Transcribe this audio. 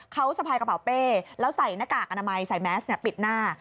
เขาสะพายกระเป๋ากระเป๋แล้วใส่้นักกากอนามัยใส่แม็กซ์เนี่ยปิดหน้า